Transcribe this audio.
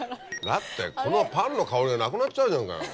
だってこのパンの香りがなくなっちゃうじゃんかよ。